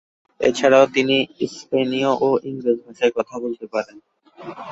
এছাড়াও তিনি স্পেনীয় ও ইংরেজি ভাষায়ও কথা বলতে পারেন।